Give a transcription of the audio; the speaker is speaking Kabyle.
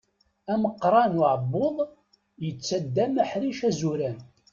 Ameqqran n uɛebbuḍ, yettaddam aḥric azuran.